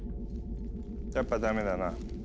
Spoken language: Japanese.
やっぱダメだな。